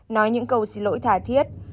nói những câu xin lỗi thả thiết